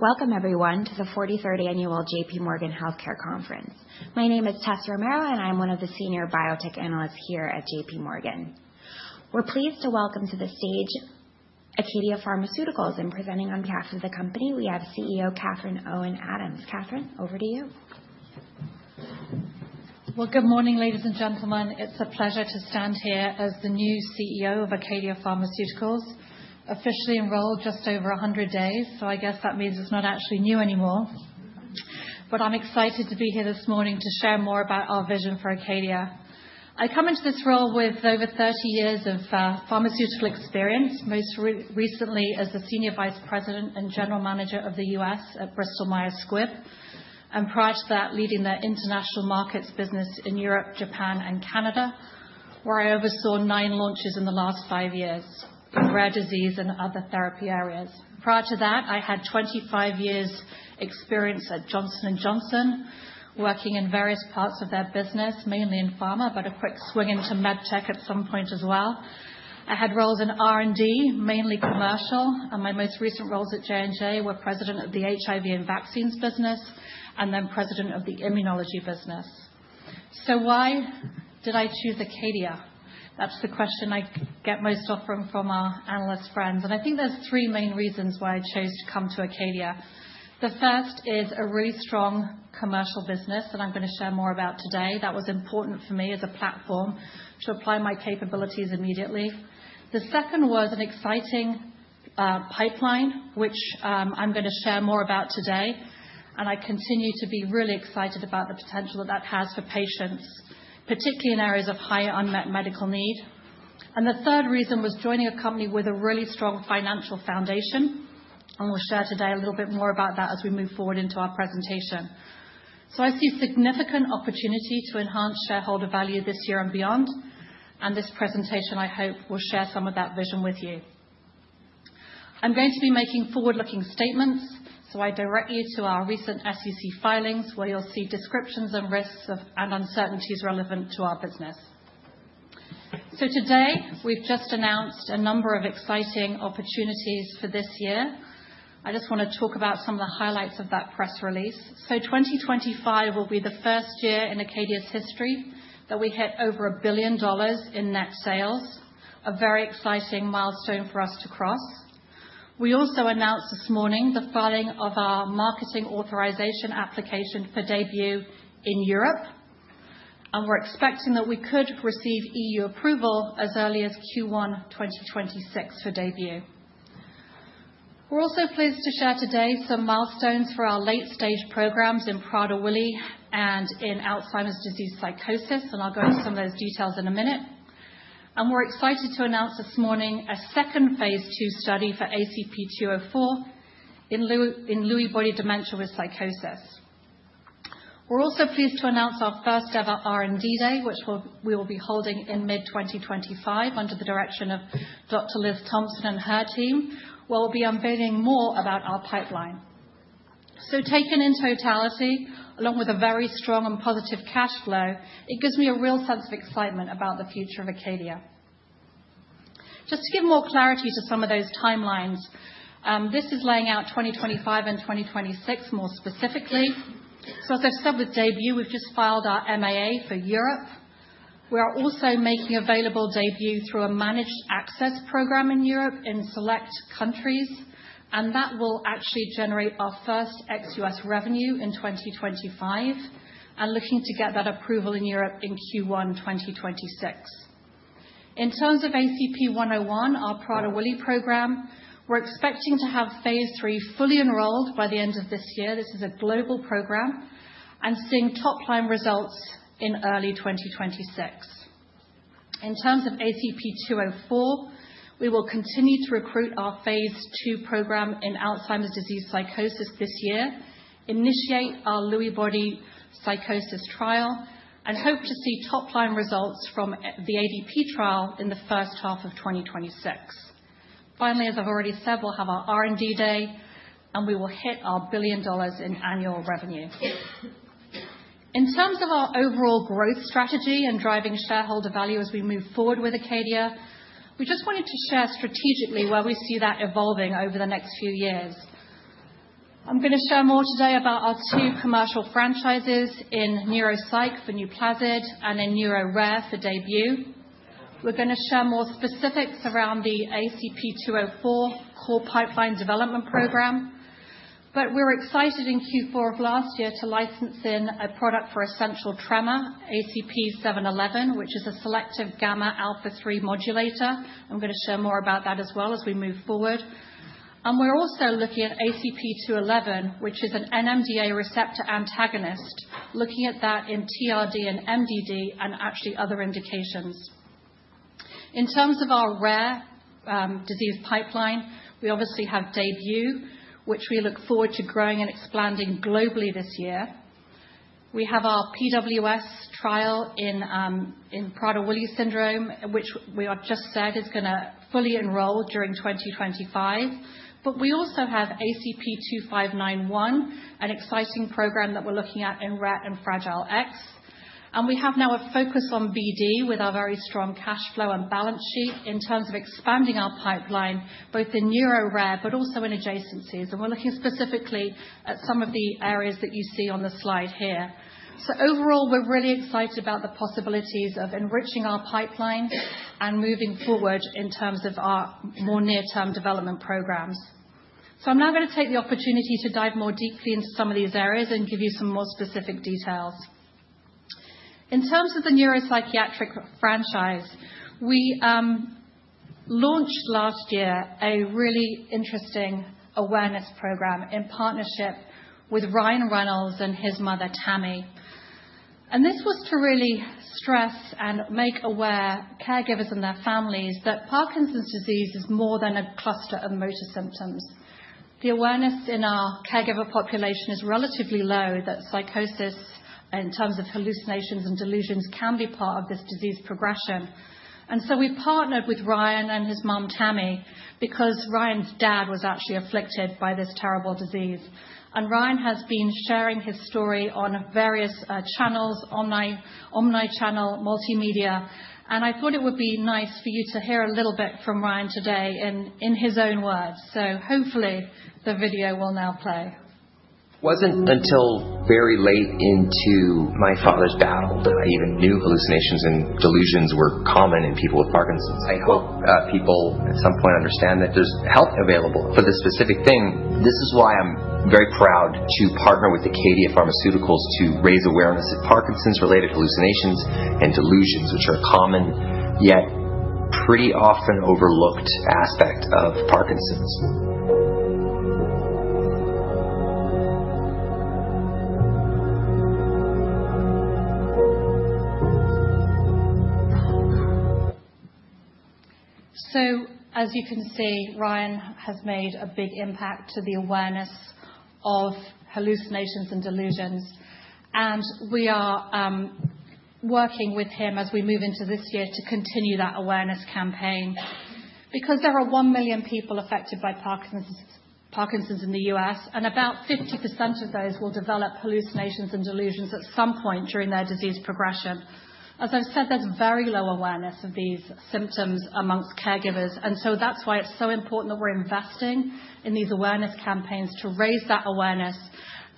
Welcome, everyone, to the 43rd Annual J.P. Morgan Healthcare Conference. My name is Tessa Romero, and I'm one of the Senior Biotech Analysts here at J.P. Morgan. We're pleased to welcome to the stage Acadia Pharmaceuticals, and presenting on behalf of the company, we have CEO Catherine Owen Adams. Catherine, over to you. Good morning, ladies and gentlemen. It's a pleasure to stand here as the new CEO of Acadia Pharmaceuticals. Officially enrolled just over 100 days, so I guess that means it's not actually new anymore, but I'm excited to be here this morning to share more about our vision for Acadia. I come into this role with over 30 years of pharmaceutical experience, most recently as the Senior Vice President and General Manager of the U.S. at Bristol Myers Squibb, and prior to that, leading the international markets business in Europe, Japan, and Canada, where I oversaw nine launches in the last five years in rare disease and other therapy areas. Prior to that, I had 25 years' experience at Johnson & Johnson, working in various parts of their business, mainly in pharma, but a quick swing into med tech at some point as well. I had roles in R&D, mainly commercial, and my most recent roles at J&J were President of the HIV and Vaccines business and then President of the Immunology business. So why did I choose Acadia? That's the question I get most often from our analyst friends, but I think there's three main reasons why I chose to come to Acadia. The first is a really strong commercial business that I'm going to share more about today. That was important for me as a platform to apply my capabilities immediately. The second was an exciting pipeline, which I'm going to share more about today, and I continue to be really excited about the potential that that has for patients, particularly in areas of higher unmet medical need, and the third reason was joining a company with a really strong financial foundation. And we'll share today a little bit more about that as we move forward into our presentation. So I see significant opportunity to enhance shareholder value this year and beyond. And this presentation, I hope, will share some of that vision with you. I'm going to be making forward-looking statements, so I direct you to our recent SEC filings, where you'll see descriptions and risks and uncertainties relevant to our business. So today, we've just announced a number of exciting opportunities for this year. I just want to talk about some of the highlights of that press release. So 2025 will be the first year in Acadia's history that we hit over $1 billion in net sales, a very exciting milestone for us to cross. We also announced this morning the filing of our marketing authorization application for DAYBUE in Europe. And we're expecting that we could receive EU approval as early as Q1 2026 for DAYBUE. We're also pleased to share today some milestones for our late-stage programs in Prader-Willi and in Alzheimer's disease psychosis, and I'll go into some of those details in a minute. And we're excited to announce this morning a second phase two study for ACP-204 in Lewy body dementia with psychosis. We're also pleased to announce our first ever R&D day, which we will be holding in mid-2025 under the direction of Dr. Liz Thompson and her team, we'll be unveiling more about our pipeline. So taken in totality, along with a very strong and positive cash flow, it gives me a real sense of excitement about the future of Acadia. Just to give more clarity to some of those timelines, this is laying out 2025 and 2026 more specifically. So with DAYBUE, we've just filed our MAA for Europe. We are also making available DAYBUE through a managed access program in Europe in select countries. And that will actually generate our first ex-U.S. revenue in 2025 and looking to get that approval in Europe in Q1 2026. In terms of ACP-101, our Prader-Willi program, we're expecting to have phase III fully enrolled by the end of this year. This is a global program and seeing top-line results in early 2026. In terms of ACP-204, we will continue to recruit our phase 2 program in Alzheimer's disease psychosis this year, initiate our Lewy body psychosis trial, and hope to see top-line results from the ADP trial in the first half of 2026. Finally, as I've already said, we'll have our R&D day, and we will hit $1 billion in annual revenue. In terms of our overall growth strategy and driving shareholder value as we move forward with Acadia, we just wanted to share strategically where we see that evolving over the next few years. I'm going to share more today about our two commercial franchises in Neuropsych for NUPLAZID and in NeuroRare for DAYBUE. We're going to share more specifics around the ACP-204 core pipeline development program. But we're excited in Q4 of last year to license in a product for essential tremor, ACP-711, which is a selective GABA alpha-3 modulator. I'm gonna share more about that as well as we move forward. And we're also looking at ACP-211, which is an NMDA receptor antagonist, looking at that in TRD and MDD and actually other indications. In terms of our rare disease pipeline, we obviously have DAYBUE, which we look forward to growing and expanding globally this year. We have our PWS trial in Prader-Willi syndrome, which we just said is going to fully enroll during 2025. But we also have ACP-2591, an exciting program that we're looking at in Rett and Fragile X. And we have now a focus on BD with our very strong cash flow and balance sheet in terms of expanding our pipeline, both in NeuroRare, but also in adjacencies. And we're looking specifically at some of the areas that you see on the slide here. So overall, we're really excited about the possibilities of enriching our pipeline and moving forward in terms of our more near-term development programs. So I'm now going to take the opportunity to dive more deeply into some of these areas and give you some more specific details. In terms of the neuropsychiatric franchise, we launched last year a really interesting awareness program in partnership with Ryan Reynolds and his mother, Tammy. And this was to really stress and make aware caregivers and their families that Parkinson's disease is more than a cluster of motor symptoms. The awareness in our caregiver population is relatively low that psychosis in terms of hallucinations and delusions can be part of this disease progression. And so we partnered with Ryan and his mom, Tammy, because Ryan's dad was actually afflicted by this terrible disease. And Ryan has been sharing his story on various channels, omni-channel, multimedia. And I thought it would be nice for you to hear a little bit from Ryan today in his own words. So hopefully the video will now play. It wasn't until very late into my father's battle that I even knew hallucinations and delusions were common in people with Parkinson's. I hope people at some point understand that there's help available for this specific thing. This is why I'm very proud to partner with Acadia Pharmaceuticals to raise awareness of Parkinson's-related hallucinations and delusions, which are a common, yet pretty often overlooked aspect of Parkinson's. As you can see, Ryan has made a big impact to the awareness of hallucinations and delusions. And we are working with him as we move into this year to continue that awareness campaign because there are one million people affected by Parkinson's in the U.S., and about 50% of those will develop hallucinations and delusions at some point during their disease progression. As I've said, there's very low awareness of these symptoms among caregivers. And so that's why it's so important that we're investing in these awareness campaigns to raise that awareness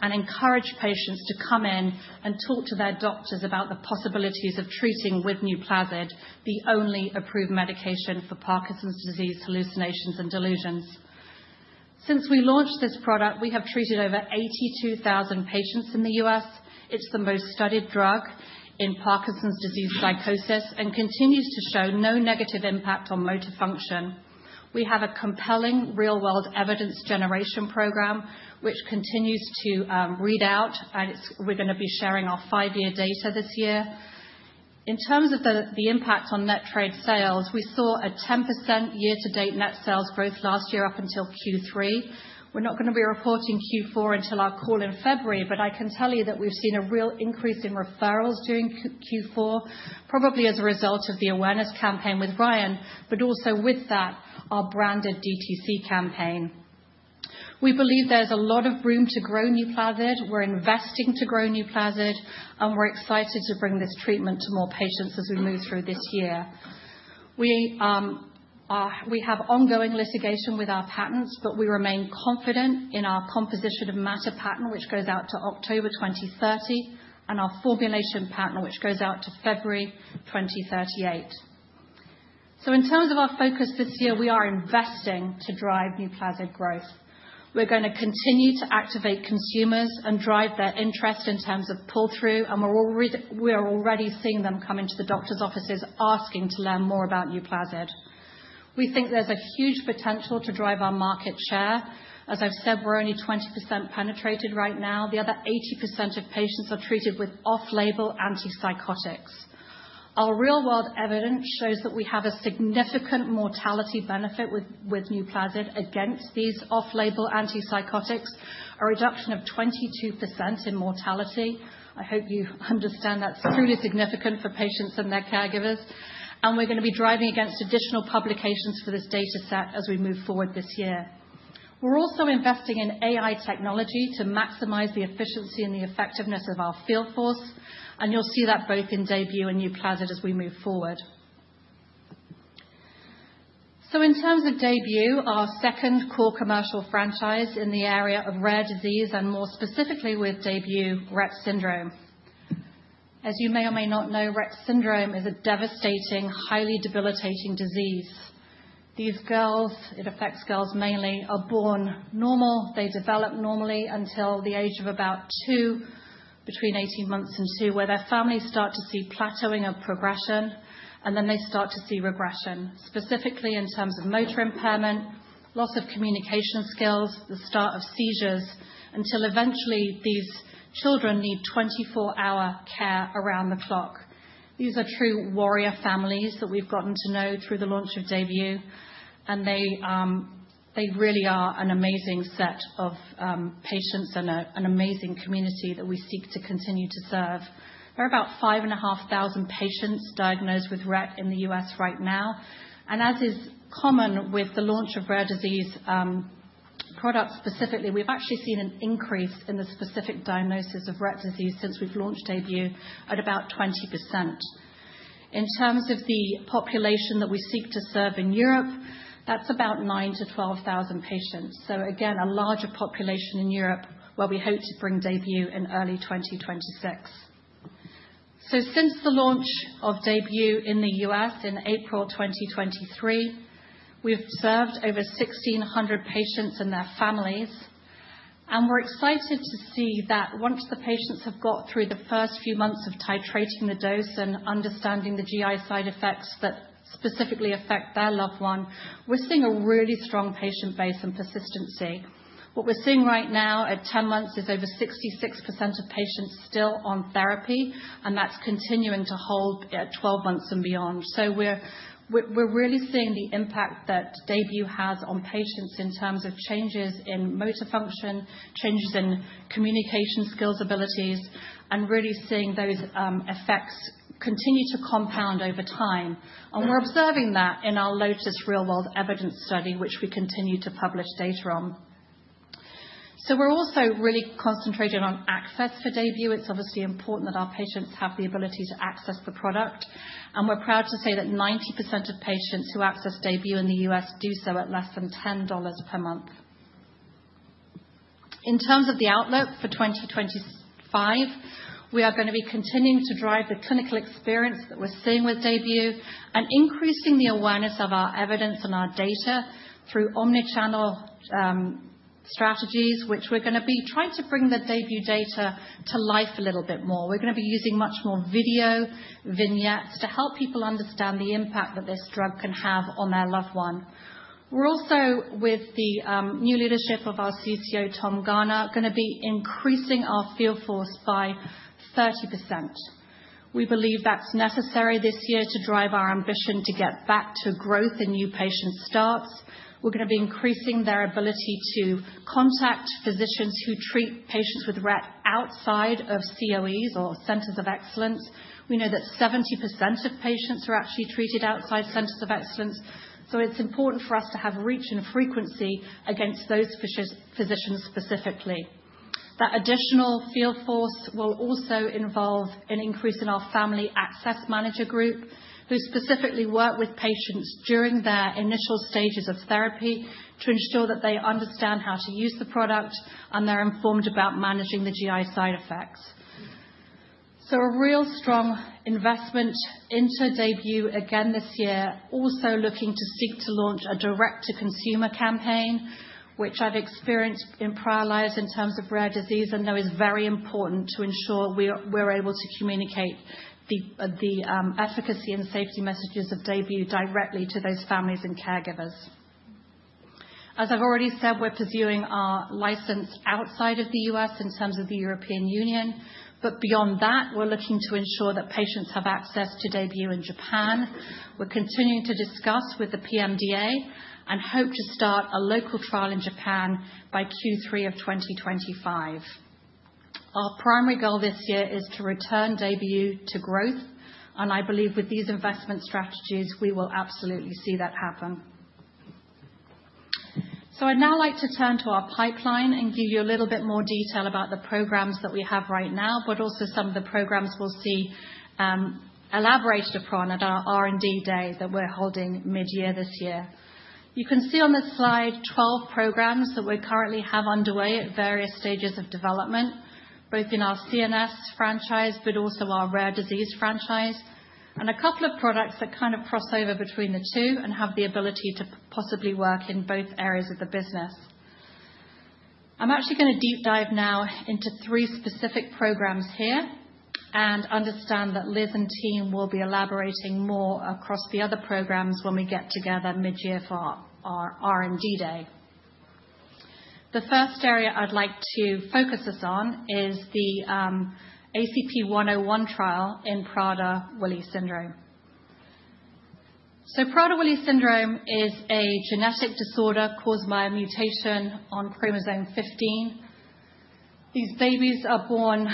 and encourage patients to come in and talk to their doctors about the possibilities of treating with NUPLAZID, the only approved medication for Parkinson's disease, hallucinations, and delusions. Since we launched this product, we have treated over 82,000 patients in the U.S. It's the most studied drug in Parkinson's disease psychosis and continues to show no negative impact on motor function. We have a compelling real-world evidence generation program, which continues to read out, we're gonna be sharing our five-year data this year. In terms of the impact on net trade sales, we saw a 10% year-to-date net sales growth last year up until Q3. We're not going to be reporting Q4 until our call in February, but I can tell you that we've seen a real increase in referrals during Q4, probably as a result of the awareness campaign with Ryan, but also with that, our branded DTC campaign. We believe there's a lot of room to grow NUPLAZID. We're investing to grow NUPLAZID, and we're excited to bring this treatment to more patients as we move through this year. We have ongoing litigation with our patents, but we remain confident in our composition of matter patent, which goes out to October 2030, and our formulation patent, which goes out to February 2038. So in terms of our focus this year, we are investing to drive NUPLAZID growth. We're gonna continue to activate consumers and drive their interest in terms of pull-through, and we're already seeing them come into the doctor's offices asking to learn more about NUPLAZID. We think there's a huge potential to drive our market share. As I've said, we're only 20% penetrated right now. The other 80% of patients are treated with off-label antipsychotics. Our real-world evidence shows that we have a significant mortality benefit with NUPLAZID against these off-label antipsychotics, a reduction of 22% in mortality. I hope you understand that's truly significant for patients and their caregivers. And we're going to be driving against additional publications for this data set as we move forward this year. We're also investing in AI technology to maximize the efficiency and the effectiveness of our field force. And you'll see that both in DAYBUE and NUPLAZID as we move forward. So in terms of DAYBUE, our second core commercial franchise in the area of rare disease and more specifically with DAYBUE Rett syndrome. As you may or may not know, Rett syndrome is a devastating, highly debilitating disease. These girls, it affects girls mainly, are born normal. They develop normally until the age of about two, between 18 months and two, where their families start to see plateauing of progression, and then they start to see regression, specifically in terms of motor impairment, loss of communication skills, the start of seizures, until eventually these children need 24-hour care around the clock. These are true warrior families that we've gotten to know through the launch of DAYBUE. And they, they really are an amazing set of patients and an amazing community that we seek to continue to serve. There are about 5,500 patients diagnosed with Rett in the US right now. And as is common with the launch of rare disease products specifically, we've actually seen an increase in the specific diagnosis of Rett disease since we've launched DAYBUE at about 20%. In terms of the population that we seek to serve in Europe, that's about 9,000-12,000 patients. So again, a larger population in Europe where we hope to bring DAYBUE in early 2026. So since the launch of DAYBUE in the U.S. in April 2023, we've served over 1,600 patients and their families. And we're excited to see that once the patients have got through the first few months of titrating the dose and understanding the GI side effects that specifically affect their loved one, we're seeing a really strong patient base and persistency. What we're seeing right now at 10 months is over 66% of patients still on therapy, and that's continuing to hold at 12 months and beyond. So we're really seeing the impact that DAYBUE has on patients in terms of changes in motor function, changes in communication skills abilities, and really seeing those effects continue to compound over time. And we're observing that in our LOTUS real-world evidence study, which we continue to publish data on. So we're also really concentrated on access for DAYBUE. It's obviously important that our patients have the ability to access the product. And we're proud to say that 90% of patients who access DAYBUE in the U.S. do so at less than $10 per month. In terms of the outlook for 2025, we are going to be continuing to drive the clinical experience that we're seeing with DAYBUE and increasing the awareness of our evidence and our data through omni-channel strategies, which we're going to be trying to bring the DAYBUE data to life a little bit more. We're gonna be using much more video vignettes to help people understand the impact that this drug can have on their loved one. We're also, with the new leadership of our CCO, Tom Garner, going to be increasing our field force by 30%. We believe that's necessary this year to drive our ambition to get back to growth in new patient starts. We're going to be increasing their ability to contact physicians who treat patients with Rett outside of COEs or centers of excellence. We know that 70% of patients are actually treated outside centers of excellence, so it's important for us to have reach and frequency against those physicians specifically. That additional field force will also involve an increase in our family access manager group, who specifically work with patients during their initial stages of therapy to ensure that they understand how to use the product and they're informed about managing the GI side effects, so a real strong investment into DAYBUE again this year, also looking to seek to launch a direct-to-consumer campaign, which I've experienced in prior lives in terms of rare disease, and though it's very important to ensure we're able to communicate the efficacy and safety messages of DAYBUE directly to those families and caregivers. As I've already said, we're pursuing our license outside of the U.S. in terms of the European Union. But beyond that, we're looking to ensure that patients have access to DAYBUE in Japan. We're continuing to discuss with the PMDA and hope to start a local trial in Japan by Q3 of 2025. Our primary goal this year is to return DAYBUE to growth. And I believe with these investment strategies, we will absolutely see that happen. So I'd now like to turn to our pipeline and give you a little bit more detail about the programs that we have right now, but also some of the programs we'll see elaborated upon at our R&D day that we're holding mid-year this year. You can see on this slide 12 programs that we currently have underway at various stages of development, both in our CNS franchise, but also our rare disease franchise, and a couple of products that kind of cross over between the two and have the ability to possibly work in both areas of the business. I'm actually going to deep dive now into three specific programs here and understand that Liz and team will be elaborating more across the other programs when we get together mid-year for our R&D day. The first area I'd like to focus us on is the ACP-101 trial in Prader-Willi syndrome. So Prader-Willi syndrome is a genetic disorder caused by a mutation on chromosome 15. These babies are born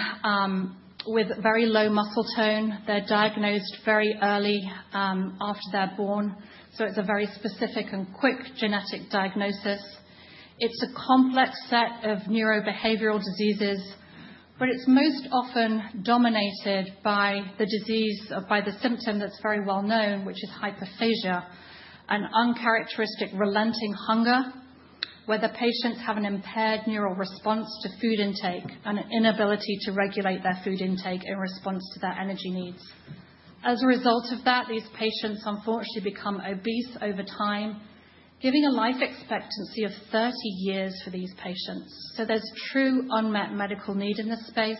with very low muscle tone. They're diagnosed very early after they're born. So it's a very specific and quick genetic diagnosis. It's a complex set of neurobehavioral diseases, but it's most often dominated by the disease or by the symptom that's very well known, which is hyperphagia, an uncharacteristic relentless hunger, where the patients have an impaired neural response to food intake and an inability to regulate their food intake in response to their energy needs. As a result of that, these patients unfortunately become obese over time, giving a life expectancy of 30 years for these patients. So there's true unmet medical need in this space,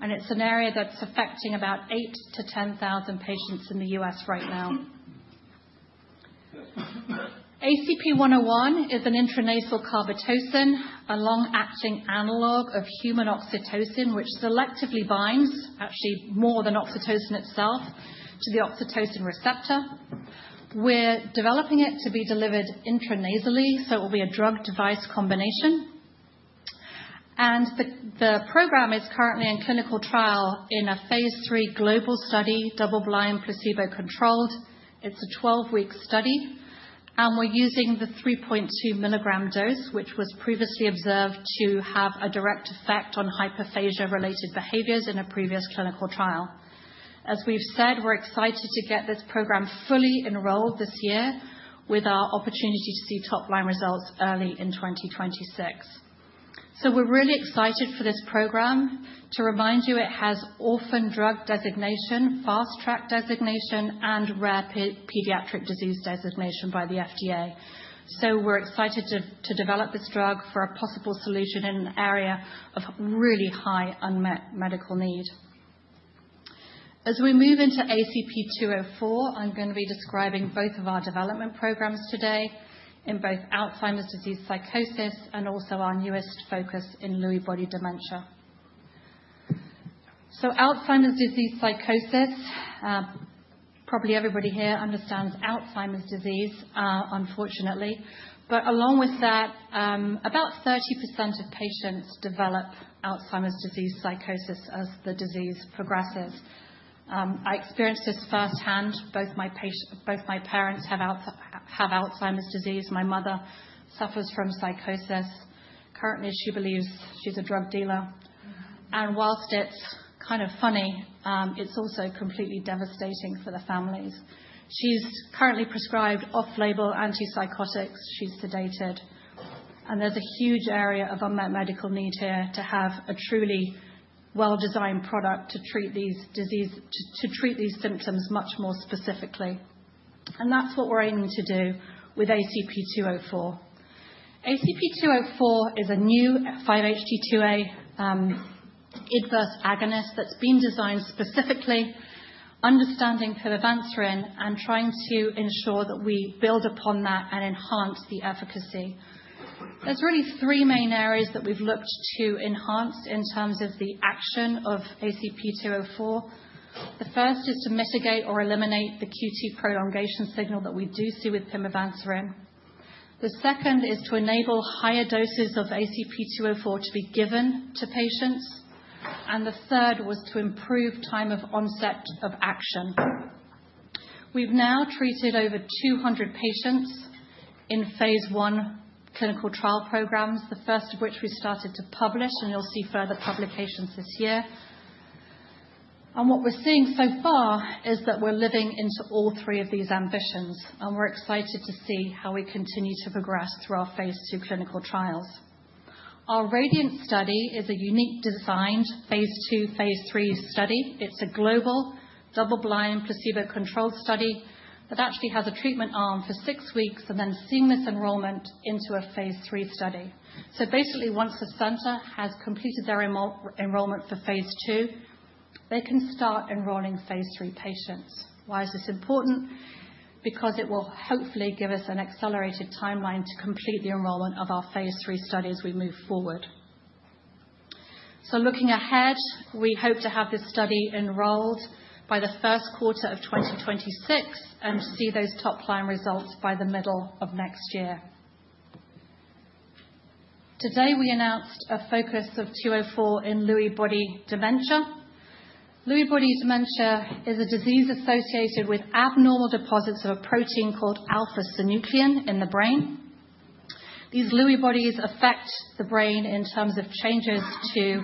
and it's an area that's affecting about 8,000-10,000 patients in the U.S. right now. ACP-101 is an intranasal carbetocin, a long-acting analog of human oxytocin, which selectively binds, actually more than oxytocin itself, to the oxytocin receptor. We're developing it to be delivered intranasally, so it will be a drug-device combination. And the program is currently in clinical trial in a phase three global study, double-blind, placebo-controlled. It's a 12-week study, and we're using the 3.2 milligram dose, which was previously observed to have a direct effect on hyperphagia-related behaviors in a previous clinical trial. As we've said, we're excited to get this program fully enrolled this year with our opportunity to see top-line results early in 2026. So we're really excited for this program. To remind you, it has orphan drug designation, fast-track designation, and rare pediatric disease designation by the FDA. So we're excited to develop this drug for a possible solution in an area of really high unmet medical need. As we move into ACP-204, I'm going to be describing both of our development programs today in both Alzheimer's disease psychosis and also our newest focus in Lewy body dementia. So Alzheimer's disease psychosis, probably everybody here understands Alzheimer's disease, unfortunately. But along with that, about 30% of patients develop Alzheimer's disease psychosis as the disease progresses. I experienced this firsthand. Both my parents have Alzheimer's disease. My mother suffers from psychosis. Currently, she believes she's a drug dealer. And while it's kind of funny, it's also completely devastating for the families. She's currently prescribed off-label antipsychotics. She's sedated. And there's a huge area of unmet medical need here to have a truly well-designed product to treat these disease to treat these symptoms much more specifically. And that's what we're aiming to do with ACP-204. ACP-204 is a new 5-HT2A inverse agonist that's been designed specifically, understanding pimavanserin, and trying to ensure that we build upon that and enhance the efficacy. There's really three main areas that we've looked to enhance in terms of the action of ACP-204. The first is to mitigate or eliminate the QT prolongation signal that we do see with pimavanserin. The second is to enable higher doses of ACP-204 to be given to patients, and the third was to improve time of onset of action. We've now treated over 200 patients in phase I clinical trial programs, the first of which we started to publish, and you'll see further publications this year, and what we're seeing so far is that we're living into all three of these ambitions, and we're excited to see how we continue to progress through our phase two clinical trials. Our RADIANT study is a unique designed phase two, phase three study. It's a global double-blind placebo-controlled study that actually has a treatment arm for six weeks and then seamless enrollment into a phase three study. So basically, once the center has completed their enrollment for phase 2, they can start enrolling phase 3 patients. Why is this important? Because it will hopefully give us an accelerated timeline to complete the enrollment of our phase 3 study as we move forward. So looking ahead, we hope to have this study enrolled by the Q1 of 2026 and see those top-line results by the middle of next year. Today, we announced a focus of ACP-204 in Lewy body dementia. Lewy body dementia is a disease associated with abnormal deposits of a protein called alpha-synuclein in the brain. These Lewy bodies affect the brain in terms of changes to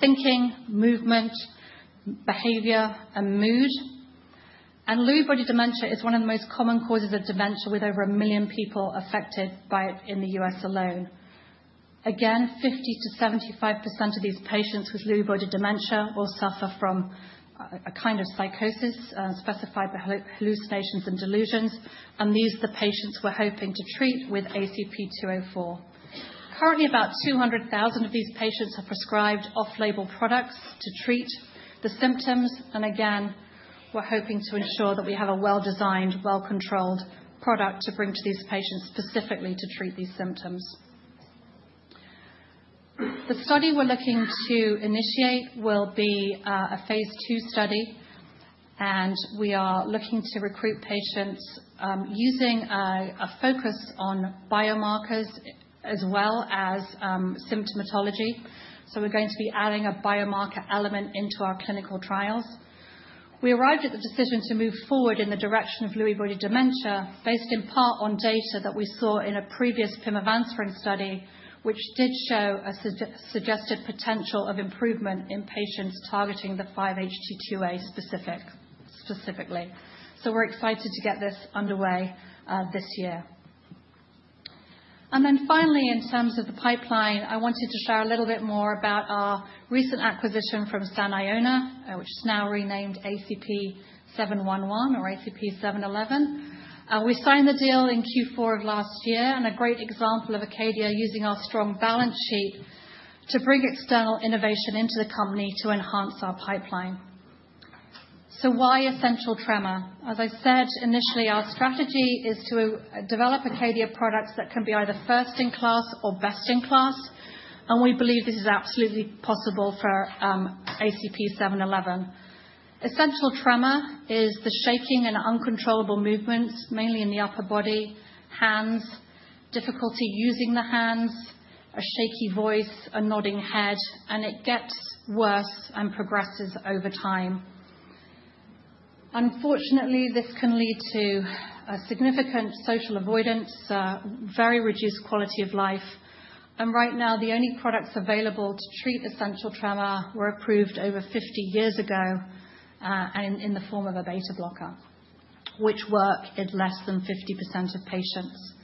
thinking, movement, behavior, and mood. And Lewy body dementia is one of the most common causes of dementia, with over a million people affected by it in the U.S. alone. Again, 50%-75% of these patients with Lewy body dementia will suffer from a kind of psychosis, specified by hallucinations and delusions, and these are the patients we're hoping to treat with ACP-204. Currently, about 200,000 of these patients are prescribed off-label products to treat the symptoms, and again, we're hoping to ensure that we have a well-designed, well-controlled product to bring to these patients specifically to treat these symptoms. The study we're looking to initiate will be a phase II study, and we are looking to recruit patients using a focus on biomarkers as well as symptomatology, so we're going to be adding a biomarker element into our clinical trials. We arrived at the decision to move forward in the direction of Lewy body dementia based in part on data that we saw in a previous pimavanserin study, which did show a suggested potential of improvement in patients targeting the 5-HT2A specifically, so we're excited to get this underway this year, and then finally, in terms of the pipeline, I wanted to share a little bit more about our recent acquisition from Saniona, which is now renamed ACP-711 or ACP-711. We signed the deal in Q4 of last year and a great example of Acadia using our strong balance sheet to bring external innovation into the company to enhance our pipeline, so why Essential Tremor? As I said initially, our strategy is to develop Acadia products that can be either first-in-class or best-in-class, and we believe this is absolutely possible for ACP-711. Essential tremor is the shaking and uncontrollable movements, mainly in the upper body, hands, difficulty using the hands, a shaky voice, a nodding head, and it gets worse and progresses over time. Unfortunately, this can lead to significant social avoidance, very reduced quality of life, and right now, the only products available to treat essential tremor were approved over 50 years ago and in the form of a beta blocker, which work in less than 50% of patients,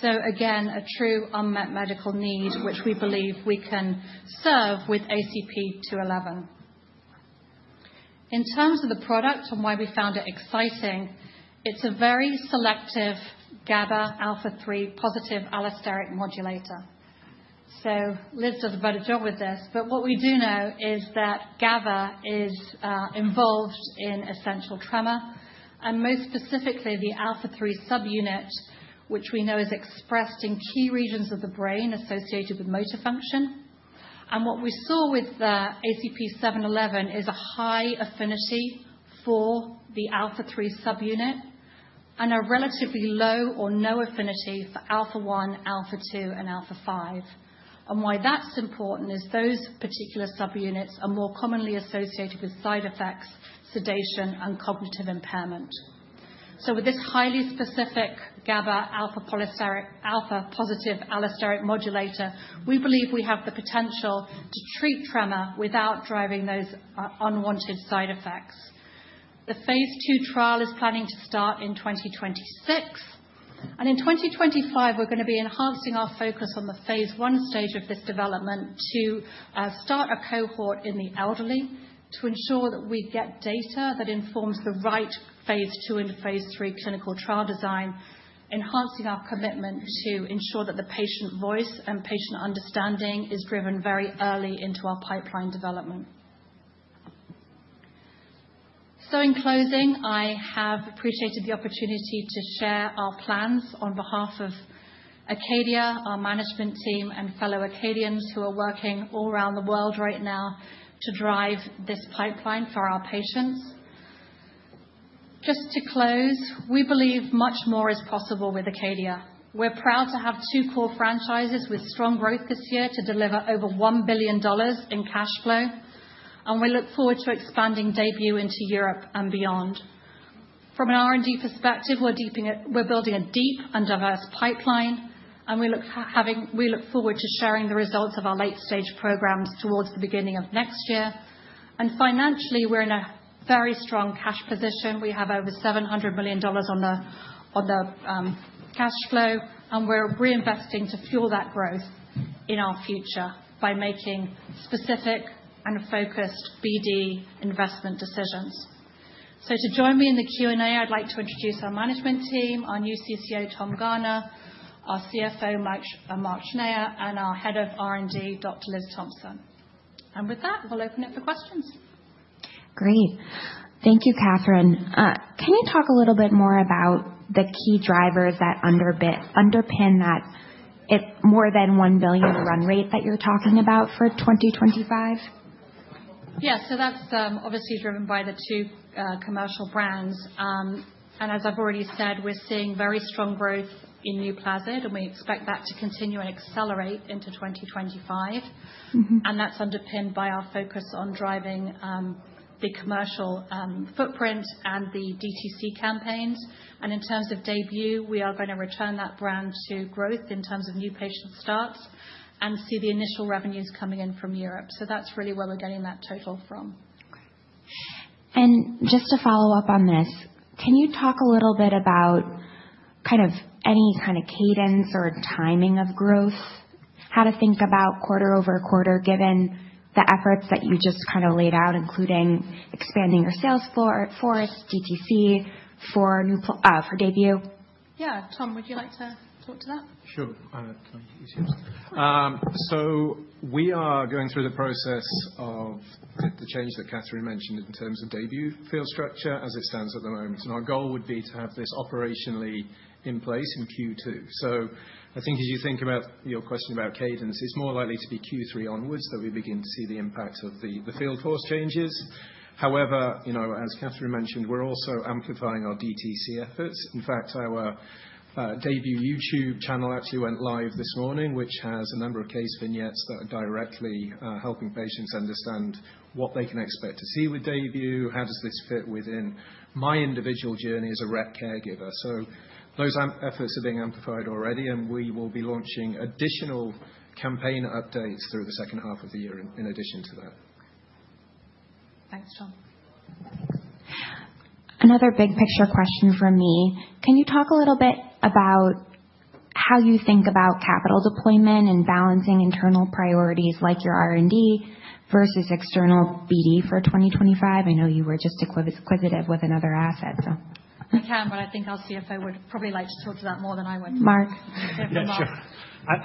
so again, a true unmet medical need, which we believe we can serve with ACP-711. In terms of the product and why we found it exciting, it's a very selective GABA alpha-3 positive allosteric modulator, so Liz does a better job with this. But what we do know is that GABA is involved in essential tremor, and most specifically the alpha-3 subunit, which we know is expressed in key regions of the brain associated with motor function. And what we saw with the ACP-711 is a high affinity for the alpha-3 subunit and a relatively low or no affinity for alpha-1, alpha-2, and alpha-5. And why that's important is those particular subunits are more commonly associated with side effects, sedation, and cognitive impairment. So with this highly specific GABA alpha-positive allosteric modulator, we believe we have the potential to treat tremor without driving those unwanted side effects. The phase II trial is planning to start in 2026. And in 2025, we're gonna be enhancing our focus on the phase one stage of this development to start a cohort in the elderly to ensure that we get data that informs the right phase II and phase III clinical trial design, enhancing our commitment to ensure that the patient voice and patient understanding is driven very early into our pipeline development. So in closing, I have appreciated the opportunity to share our plans on behalf of Acadia, our management team, and fellow Acadians who are working all around the world right now to drive this pipeline for our patients. Just to close, we believe much more is possible with Acadia. We're proud to have two core franchises with strong growth this year to deliver over $1 billion in cash flow, and we look forward to expanding DAYBUE into Europe and beyond. From an R&D perspective, we're building a deep and diverse pipeline, and we look forward to sharing the results of our late-stage programs towards the beginning of next year. And financially, we're in a very strong cash position. We have over $700 million on the cash flow, and we're reinvesting to fuel that growth in our future by making specific and focused BD investment decisions. So to join me in the Q&A, I'd like to introduce our management team, our new CCO, Tom Garner, our CFO, Mark Schneyer, and our head of R&D, Dr. Liz Thompson. And with that, we'll open it for questions. Great. Thank you, Catherine. Can you talk a little bit more about the key drivers that underpin that more than $1 billion run rate that you're talking about for 2025? Yeah, so that's obviously driven by the two commercial brands. And as I've already said, we're seeing very strong growth in NUPLAZID, and we expect that to continue and accelerate into 2025. And that's underpinned by our focus on driving the commercial footprint and the DTC campaigns. And in terms of DAYBUE, we are going to return that brand to growth in terms of new patient starts and see the initial revenues coming in from Europe. So that's really where we're getting that total from. And just to follow up on this, can you talk a little bit about kind of any kind of cadence or timing of growth, how to think about quarter over quarter given the efforts that you just kind of laid out, including expanding your sales force, DTC for DAYBUE? Yeah, Tom, would you like to talk to that? Sure. Can I use yours? So we are going through the process of the change that Catherine mentioned in terms of DAYBUE field structure as it stands at the moment. And our goal would be to have this operationally in place in Q2. So I think as you think about your question about cadence, it's more likely to be Q3 onwards that we begin to see the impact of the field force changes. However you know, as Catherine mentioned, we're also amplifying our DTC efforts. In fact, our DAYBUE YouTube channel actually went live this morning, which has a number of case vignettes that are directly helping patients understand what they can expect to see with DAYBUE, how does this fit within my individual journey as a rare caregiver. So those efforts are being amplified already, and we will be launching additional campaign updates through the second half of the year in addition to that. Thanks, Tom. Another big picture question for me. Can you talk a little bit about how you think about capital deployment and balancing internal priorities like your R&D versus external BD for 2025? I know you were just acquisitive with another asset, so. I can, but I think our CFO would probably like to talk to that more than I would. Mark. Yeah, sure.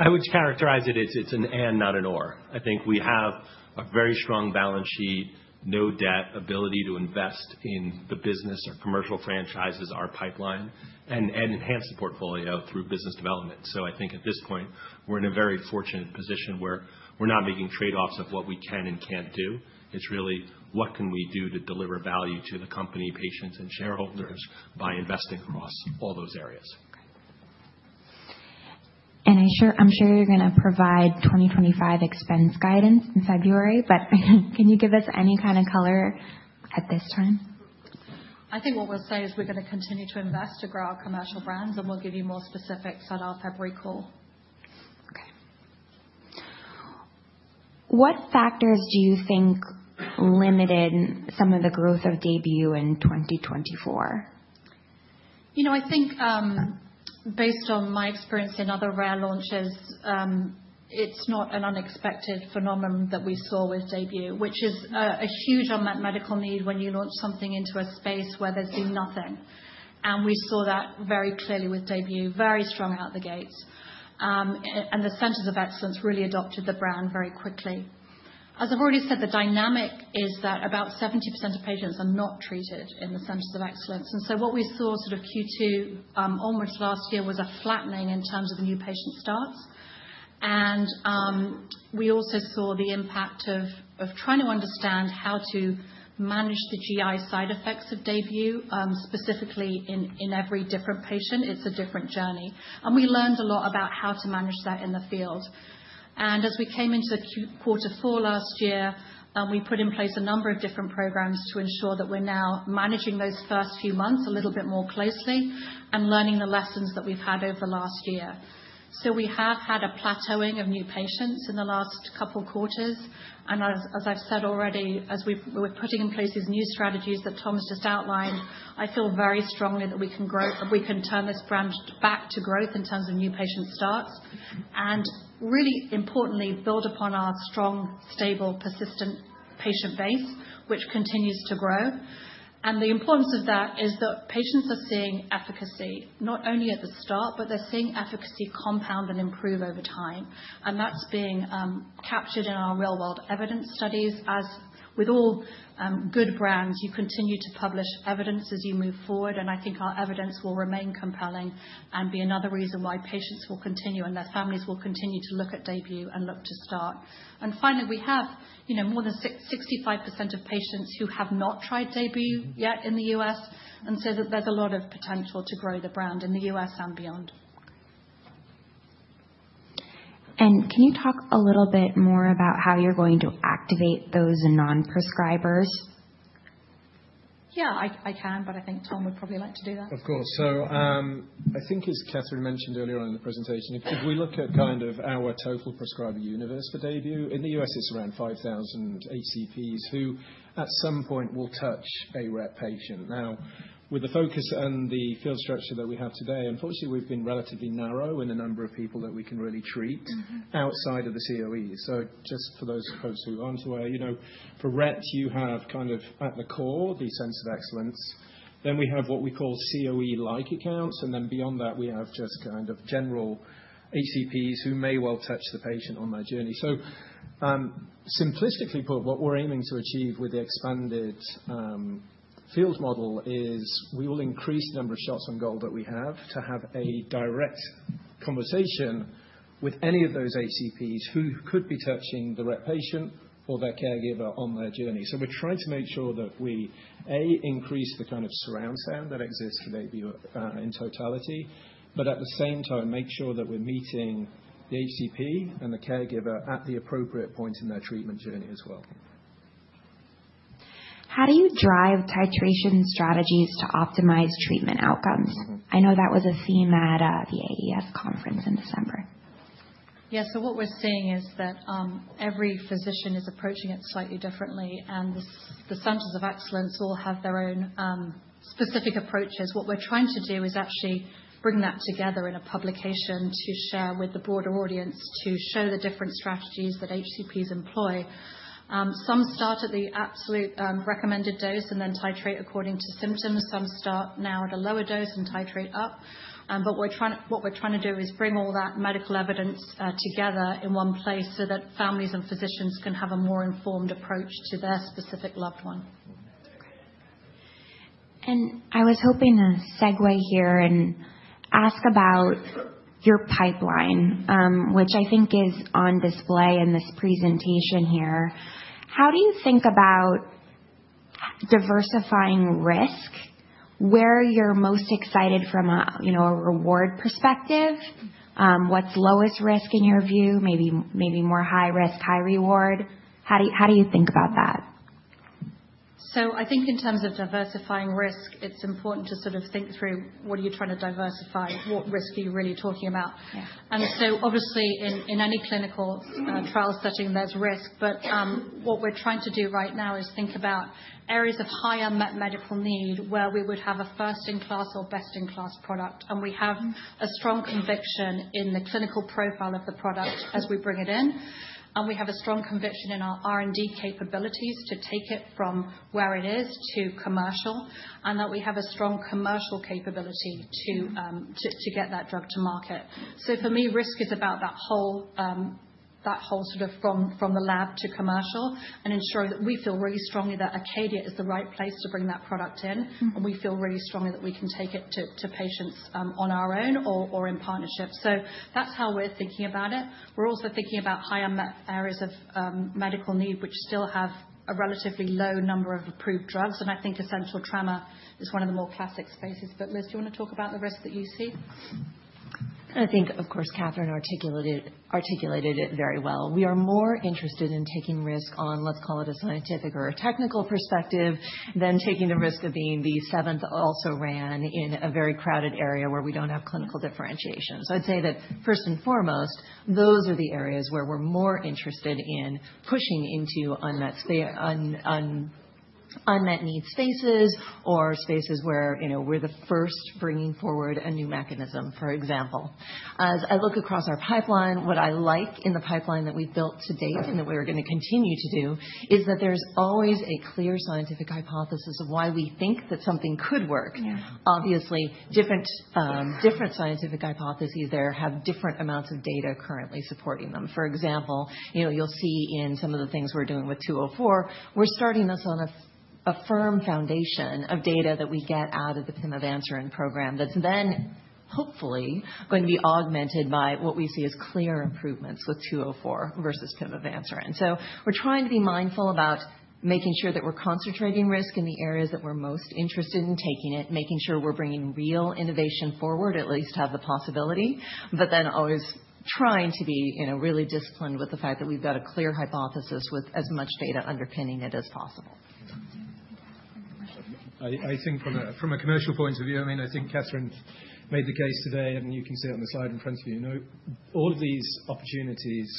I would characterize it as it's an and not an or. I think we have a very strong balance sheet, no debt, ability to invest in the business or commercial franchises, our pipeline, and enhance the portfolio through business development. So I think at this point, we're in a very fortunate position where we're not making trade-offs of what we can and can't do. It's really what can we do to deliver value to the company, patients, and shareholders by investing across all those areas. And I'm sure you're gonna provide 2025 expense guidance in February, but can you give us any kind of color at this time? I think what we'll say is we're going to continue to invest to grow our commercial brands, and we'll give you more specifics at our February call. What factors do you think limited some of the growth of DAYBUE in 2024? You know, I think based on my experience in other rare launches, it's not an unexpected phenomenon that we saw with DAYBUE, which is a huge unmet medical need when you launch something into a space where there's been nothing. And we saw that very clearly with DAYBUE, very strong out the gates. And the Centers of Excellence really adopted the brand very quickly. As I've already said, the dynamic is that about 70% of patients are not treated in the Centers of Excellence. And so what we saw sort of Q2 almost last year was a flattening in terms of the new patient starts. And we also saw the impact of trying to understand how to manage the GI side effects of DAYBUE, specifically in every different patient. It's a different journey. And we learned a lot about how to manage that in the field. And as we came into the Q4 last year, we put in place a number of different programs to ensure that we're now managing those first few months a little bit more closely and learning the lessons that we've had over the last year, so we have had a plateauing of new patients in the last couple of quarters. And as I've said already, as we're putting in place these new strategies that Tom has just outlined, I feel very strongly that we can turn this brand back to growth in terms of new patient starts and, really importantly, build upon our strong, stable, persistent patient base, which continues to grow. And the importance of that is that patients are seeing efficacy not only at the start, but they're seeing efficacy compound and improve over time. And that's being captured in our real-world evidence studies. As with all good brands, you continue to publish evidence as you move forward. And I think our evidence will remain compelling and be another reason why patients will continue and their families will continue to look at DAYBUE and look to start. And finally, we have more than 65% of patients who have not tried DAYBUE yet in the U.S., and so that there's a lot of potential to grow the brand in the U.S. and beyond. Can you talk a little bit more about how you're going to activate those non-prescribers? Yeah, I can, but I think Tom would probably like to do that. Of course. I think, as Catherine mentioned earlier on in the presentation, if we look at kind of our total prescriber universe for DAYBUE, in the U.S., it's around 5,000 HCPs who at some point will touch a Rett patient. Now, with the focus and the field structure that we have today, unfortunately, we've been relatively narrow in the number of people that we can really treat outside of the COE. So just for those folks who aren't aware, you know for reps, you have kind of at the core, the Centers of Excellence. Then we have what we call COE-like accounts. And then beyond that, we have just kind of general HCPs who may well touch the patient on their journey. So simplistically put, what we're aiming to achieve with the expanded field model is we will increase the number of shots on goal that we have to have a direct conversation with any of those HCPs who could be touching the Rett patient or their caregiver on their journey. So we're trying to make sure that we, A, increase the kind of surround sound that exists for DAYBUE in totality, but at the same time, make sure that we're meeting the HCP and the caregiver at the appropriate point in their treatment journey as well. How do you drive titration strategies to optimize treatment outcomes? I know that was a theme at the AES conference in December. Yeah, so what we're seeing is that every physician is approaching it slightly differently, and the Centers of Excellence will have their own specific approaches. What we're trying to do is actually bring that together in a publication to share with the broader audience to show the different strategies that HCPs employ. Some start at the absolute recommended dose and then titrate according to symptoms. Some start now at a lower dose and titrate up. And what we're trying to do is bring all that medical evidence together in one place so that families and physicians can have a more informed approach to their specific loved one. And I was hoping to segue here and ask about your pipeline, which I think is on display in this presentation here. How do you think about diversifying risk? Where are you most excited from you know a reward perspective? What's lowest risk in your view? Maybe more high risk, high reward? How do you think about that? So I think in terms of diversifying risk, it's important to sort of think through what are you trying to diversify? What risk are you really talking about? And so obviously, in any clinical trial setting, there's risk. But what we're trying to do right now is think about areas of higher medical need where we would have a first-in-class or best-in-class product. And we have a strong conviction in the clinical profile of the product as we bring it in. And we have a strong conviction in our R&D capabilities to take it from where it is to commercial and that we have a strong commercial capability to get that drug to market. So for me, risk is about that whole, that whole from the lab to commercial and ensuring that we feel really strongly that Acadia is the right place to bring that product in. We feel really strongly that we can take it to patients on our own or in partnership. So that's how we're thinking about it. We're also thinking about higher areas of medical need which still have a relatively low number of approved drugs. I think essential tremor is one of the more classic spaces. Liz, do you want to talk about the risk that you see? I think, of course, Catherine articulated it very well. We are more interested in taking risk on, let's call it a scientific or a technical perspective, than taking the risk of being the seventh also-ran in a very crowded area where we don't have clinical differentiation. So I'd say that first and foremost, those are the areas where we're more interested in pushing into un un unmet need spaces or spaces where you know we're the first bringing forward a new mechanism, for example. As I look across our pipeline, what I like in the pipeline that we've built to date and that we're going to continue to do is that there's always a clear scientific hypothesis of why we think that something could work. Obviously, different scientific hypotheses there have different amounts of data currently supporting them. For example, you'll see in some of the things we're doing with 204, we're starting us on a firm foundation of data that we get out of the pimavanserin program that's then hopefully going to be augmented by what we see as clear improvements with 204 versus pimavanserin. So we're trying to be mindful about making sure that we're concentrating risk in the areas that we're most interested in taking it, making sure we're bringing real innovation forward, at least have the possibility, but then always trying to be really disciplined with the fact that we've got a clear hypothesis with as much data underpinning it as possible. I think from a commercial point of view, I mean, I think Catherine made the case today, and you can see it on the slide in front of you know. All of these opportunities,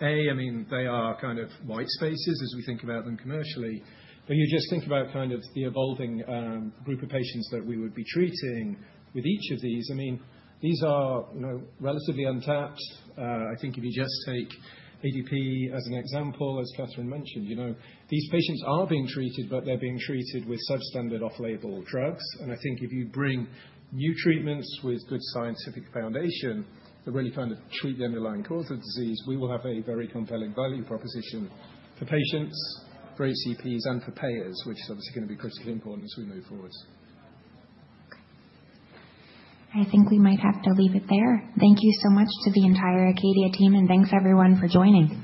A, I mean, they are kind of white spaces as we think about them commercially. But you just think about kind of the evolving group of patients that we would be treating with each of these. I mean, these are you know relatively untapped. I think if you just take ADP as an example, as Catherine mentioned, you know these patients are being treated, but they're being treated with substandard off-label drugs. And I think if you bring new treatments with good scientific foundation that really kind of treat the underlying cause of disease, we will have a very compelling value proposition for patients, for HCPs, and for payers, which is obviously going to be critically important as we move forward. I think we might have to leave it there. Thank you so much to the entire Acadia team, and thanks everyone for joining.